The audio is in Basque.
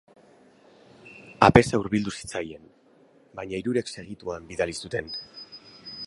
Apeza hurbildu zitzaien, baina hirurek segituan bidali zuten.